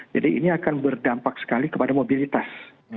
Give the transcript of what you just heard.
jadi ini akan berdampak sekali kepada mobilitas